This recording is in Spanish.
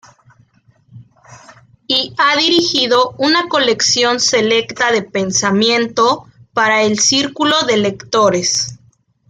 Y ha dirigido una colección selecta de pensamiento para el Círculo de Lectores.